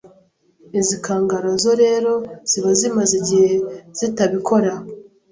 Izi kangaroo zo rero ziba zimaze igihe zitabikora